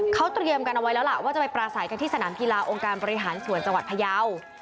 เขาเตรียมกันเอาไว้แล้วล่ะว่าจะไปปราศัยกันที่สนามกีฬาองค์การบริหารส่วนจังหวัดพยาว